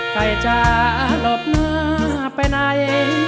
ใครจะหลบหน้าไปไหน